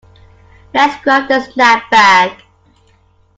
Let’s grab a snack bag.